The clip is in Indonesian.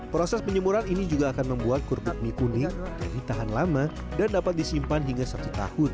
proses penjemuran ini juga akan membuat kerupuk mie kuning yang ditahan lama dan dapat disimpan hingga satu tahun